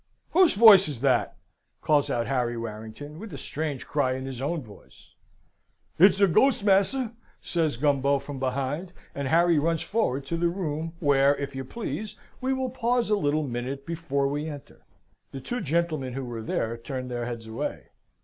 "Whose voice is that?" calls out Harry Warrington, with a strange cry in his own voice. "It's the ghost's, mas'r!" says Gumbo, from behind; and Harry runs forward to the room, where, if you please, we will pause a little minute before we enter. The two gentlemen who were there, turned their heads away.